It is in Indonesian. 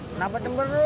di sana tidak sih pat